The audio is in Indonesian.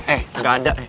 eh gak ada